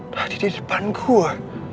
tadi di depan gue